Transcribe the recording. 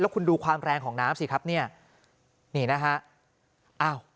คุณดูความแรงของน้ำสิครับเนี่ยนี่นะฮะอ้าว